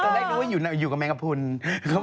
อ๋อก็ที่รักดูว่าอยู่กับแมงกระพูลครับผม